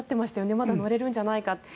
まだ乗れるんじゃないかと。